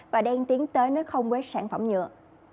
và đang tiến tới nói không với sản phẩm nhựa